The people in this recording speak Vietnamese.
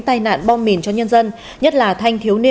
tai nạn bom mìn cho nhân dân nhất là